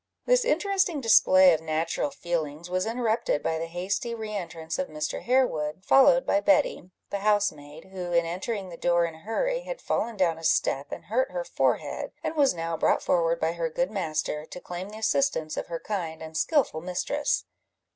This interesting display of natural feelings was interrupted by the hasty re entrance of Mr. Harewood, followed by Betty, the housemaid, who, in entering the door in a hurry, had fallen down a step, and hurt her forehead, and was now brought forward by her good master, to claim the assistance of her kind and skilful mistress.